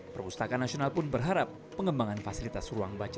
perpustakaan nasional pun berharap pengembangan fasilitas ruang baca